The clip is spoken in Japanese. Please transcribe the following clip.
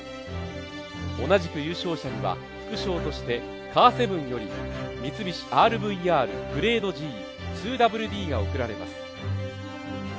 同じく優勝者には副賞としてカーセブンより三菱ＲＶＲグレードＧ２ＷＤが贈られます。